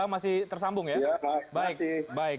masih tersambung ya baik baik